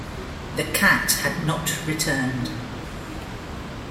The cat had not returned.